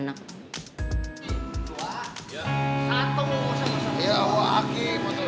iya aku lagi mau taruh lagi